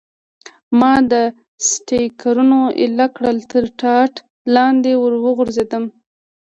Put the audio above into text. ما دستګیرونه ایله کړل، تر ټاټ لاندې ور وغورځېدم.